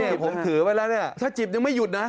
นี่ผมถือไว้แล้วเนี่ยถ้าจิบยังไม่หยุดนะ